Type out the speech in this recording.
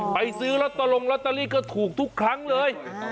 ไปซื้อละตรงละตรีก็ถูกทุกครั้งเลย